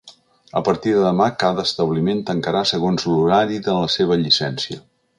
A partir de demà, cada establiment tancarà segons l’horari de la seva llicència.